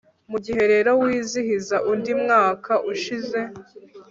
mugihe rero wizihiza undi mwaka ushize